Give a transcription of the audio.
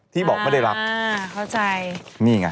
ที่บอกไม่ได้รับอ่าเข้าใจนี่ไง